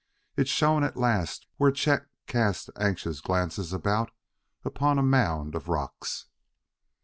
It shone at last where Chet cast anxious glances about upon a mound of rocks.